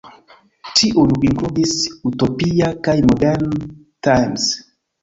Tiuj inkludis "Utopia" kaj "Modern Times.